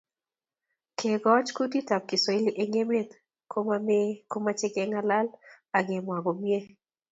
Kekoch kutitab kiswahili eng emet komoimei komoche kengalal ak kemwa komie